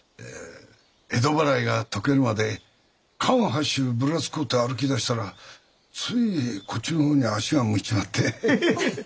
江戸払いが解けるまで関八州ぶらつこうと歩き出したらついこっちの方に足が向いちまって。ヘヘヘヘ。